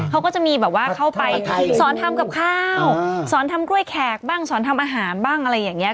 เขาก็จะมีแบบว่าเข้าไปสอนทำกับข้าวสอนทำกล้วยแขกบ้างสอนทำอาหารบ้างอะไรอย่างนี้